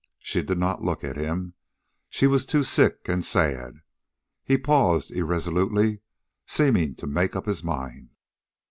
She did not look at him. She was too sick and sad. He paused irresolutely, seeming to make up his mind.